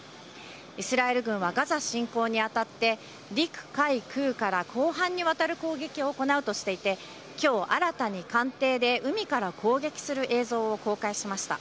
イスラエル軍はガザ侵攻にあたって、陸海空から広範にわたる攻撃を行うとしていて、きょう、新たに艦艇で海から攻撃する映像を公開しました。